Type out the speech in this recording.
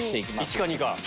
１か２か。